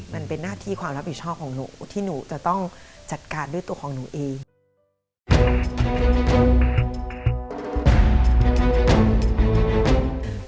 มันเป็นหน้าที่ความรับผิดชอบของหนูที่หนูจะต้องจัดการด้วยตัวของหนูเอง